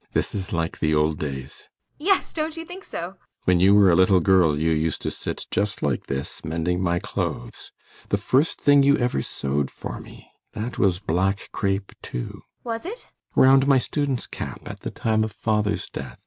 ] This is like the old days. ASTA. Yes, don't you think so? ALLMERS. When you were a little girl you used to sit just like this, mending my clothes. The first thing you ever sewed for me that was black crape, too. ASTA. Was it? ALLMERS. Round my student's cap at the time of father's death. ASTA.